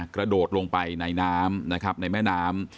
กระโดดลงไปในน้ำแม่น้ำ